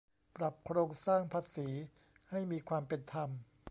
ปรับโครงสร้างภาษีให้มีความเป็นธรรม